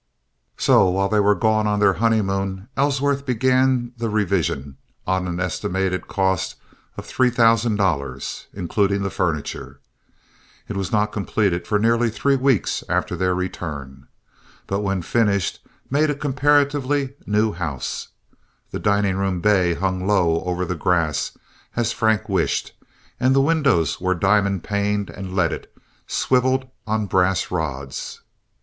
So while they were gone on their honeymoon Ellsworth began the revision on an estimated cost of three thousand dollars, including the furniture. It was not completed for nearly three weeks after their return; but when finished made a comparatively new house. The dining room bay hung low over the grass, as Frank wished, and the windows were diamond paned and leaded, swiveled on brass rods.